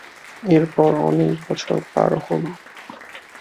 এরপরে অনেক বছর পার হল।